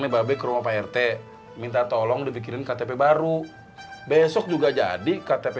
nih babi kerumah rt minta tolong dibikinin ktp baru besok juga jadi ktp